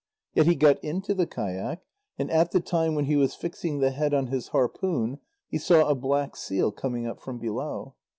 Yet he got into the kayak, and at the time when he was fixing the head on his harpoon, he saw a black seal coming up from below.